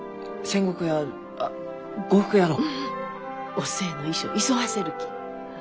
お寿恵の衣装急がせるき。